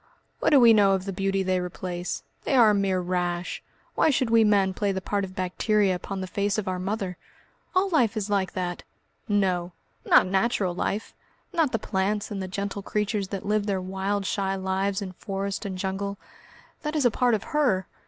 "What do we know of the beauty they replace? They are a mere rash. Why should we men play the part of bacteria upon the face of our Mother?" "All life is that!" "No! not natural life, not the plants and the gentle creatures that live their wild shy lives in forest and jungle. That is a part of her.